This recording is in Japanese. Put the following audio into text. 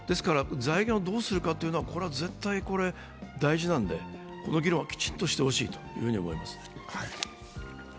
ですから、財源をどうするかというのは絶対大事なので、この議論はきちんとしてほしいと思います。